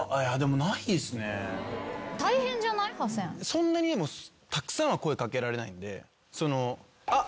そんなにたくさんは声掛けられないんであっ！